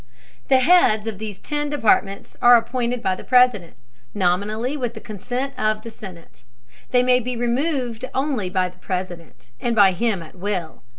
The heads of these ten departments are appointed by the President, nominally with the consent of the Senate. They may be removed only by the President, and by him at will.